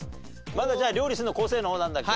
まだじゃあ料理するのは昴生の方なんだっけ。